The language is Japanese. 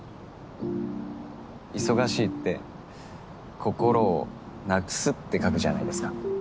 忙しいって心を亡くすって書くじゃないですか。